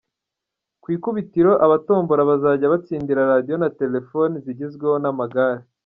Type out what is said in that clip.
Ku ibitiro abatombora bazajya batsindira radio na Telephone zigezweho n’amagare.